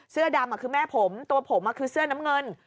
เสื้อดำคือแม่ผมตัวผมคือเสื้อน้ำเงิน